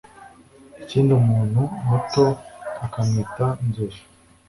ikindi umuntu muto ukamwita nzovu